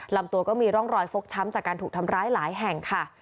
ลำตัวก็มีร่องรอยฟกช้ำจากการถูกทำร้ายหลายแห่งค่ะ